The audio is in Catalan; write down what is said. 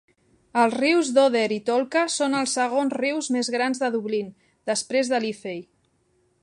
Els rius Dodder i Tolka són els segons rius més grans de Dublín, després de Liffey.